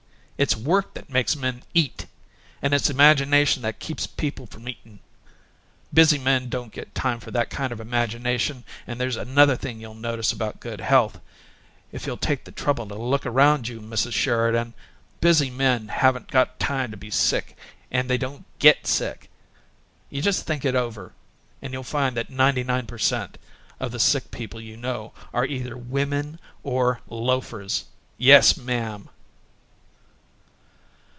It's work that makes men eat! And it's imagination that keeps people from eatin'. Busy men don't get time for that kind of imagination; and there's another thing you'll notice about good health, if you'll take the trouble to look around you Mrs. Sheridan: busy men haven't got time to be sick and they don't GET sick. You just think it over and you'll find that ninety nine per cent. of the sick people you know are either women or loafers. Yes, ma'am!"